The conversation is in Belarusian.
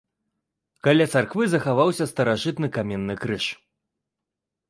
Каля царквы захаваўся старажытны каменны крыж.